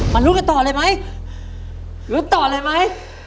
มารู้กันต่อเลยมั้ยรู้ต่อเลยมั้ย